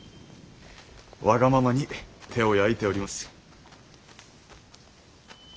わがままに手を焼いております。